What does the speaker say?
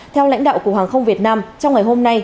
theo lãnh đạo cục hàng không việt nam trong ngày hôm nay